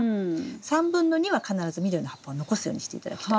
３分の２は必ず緑の葉っぱを残すようにして頂きたい。